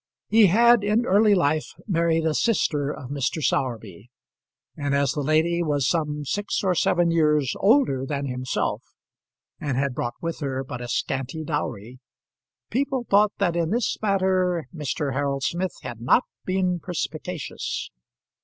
He had in early life married a sister of Mr. Sowerby; and as the lady was some six or seven years older than himself, and had brought with her but a scanty dowry, people thought that in this matter Mr. Harold Smith had not been perspicacious.